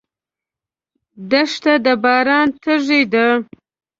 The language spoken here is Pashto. دښته د باران تږې ده.